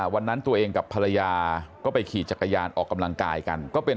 วันนั้นตัวเองกับภรรยาก็ไปขี่จักรยานออกกำลังกายกันก็เป็น